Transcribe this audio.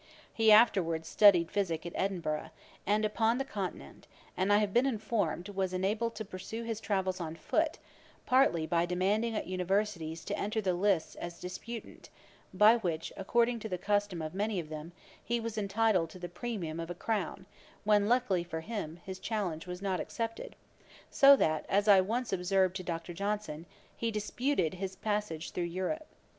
He afterwards studied physick at Edinburgh, and upon the Continent; and I have been informed, was enabled to pursue his travels on foot, partly by demanding at Universities to enter the lists as a disputant, by which, according to the custom of many of them, he was entitled to the premium of a crown, when luckily for him his challenge was not accepted; so that, as I once observed to Dr. Johnson, he disputed his passage through Europe.